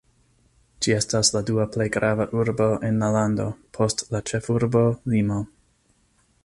Ĝi estas la dua plej grava urbo en la lando, post la ĉefurbo Limo.